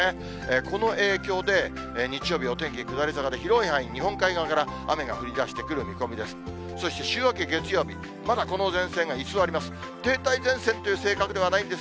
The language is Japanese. この影響で、日曜日、お天気下り坂で広い範囲、日本海側から雨が降りだしてくる見込みです。